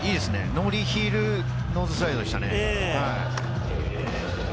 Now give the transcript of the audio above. ノーリーヒールノーズサイドでしたね。